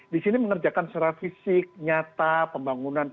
di sini mengerjakan secara fisik nyata pembangunan